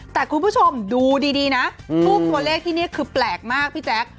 แต่คุณผู้ชมดูดีนะรูปตัวเลขที่นี่คือแปลกมากพี่แจ๊ค